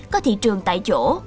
có thị trường tại chỗ